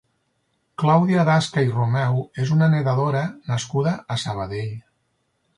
Clàudia Dasca i Romeu és una nedadora nascuda a Sabadell.